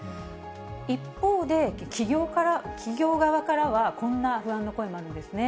一方で、企業側からは、こんな不安の声もあるんですね。